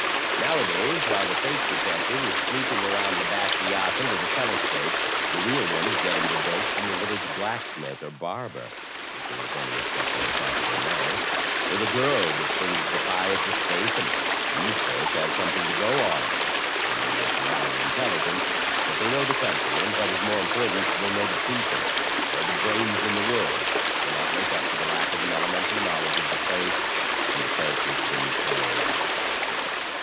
Nowadays, while the fake detective is snooping around the back piazza with a telescope, the real one is getting the 'dope' from the village blacksmith or barber (if there is any except on Saturday nights) or the girl that slings the pie at the station. These folk have something to go on. They may not be highly intelligent, but they know the coimtry, and, what is more important, they know the people. All the brains in the world cannot make up for the lack of an elementary knowledge of the place and the characters themselves.